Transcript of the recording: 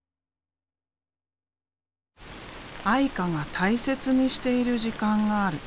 あいかが大切にしている時間がある。